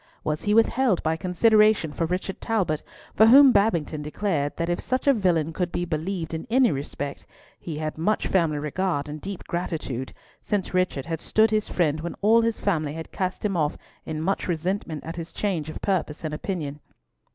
Was he withheld by consideration for Richard Talbot, for whom Babington declared that if such a villain could be believed in any respect, he had much family regard and deep gratitude, since Richard had stood his friend when all his family had cast him off in much resentment at his change of purpose and opinion.